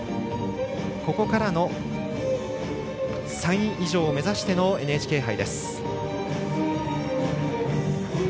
ここからの３位以上を目指してのＮＨＫ杯です。